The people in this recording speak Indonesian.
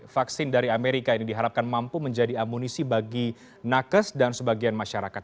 vaksin dari amerika ini diharapkan mampu menjadi amunisi bagi nakes dan sebagian masyarakat